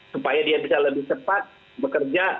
supaya dia bisa lebih cepat bekerja